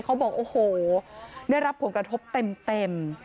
เขาบอกโอ้โหได้รับผลกระทบเต็ม